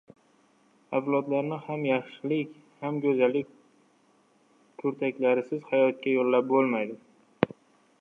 avlodlarni ham yaxshilik va go‘zallik kurtaklarisiz hayotga yo‘llab bo‘lmaydi.